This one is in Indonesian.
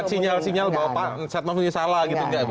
bukan sinyal sinyal bahwa pak satmong ini salah gitu enggak ya